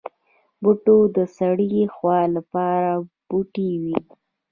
بوټونه د سړې هوا لپاره موټی وي.